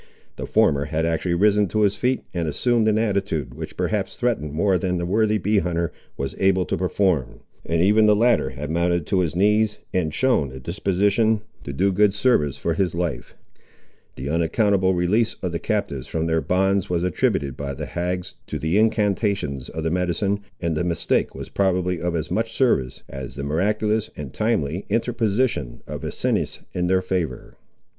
The former had actually risen to his feet, and assumed an attitude which perhaps threatened more than the worthy bee hunter was able to perform, and even the latter had mounted to his knees, and shown a disposition to do good service for his life. The unaccountable release of the captives from their bonds was attributed, by the hags, to the incantations of the medicine; and the mistake was probably of as much service, as the miraculous and timely interposition of Asinus in their favour.